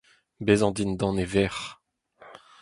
bezañ dindan e vec'h